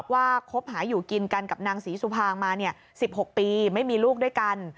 คบหาอยู่กินกันกับนางศรีสุภางมา๑๖ปีไม่มีลูกด้วยกัน